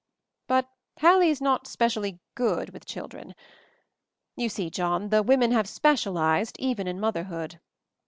But Hallie's not specially good with children. ••. You see, John, the wo men have specialized— even in motherhood."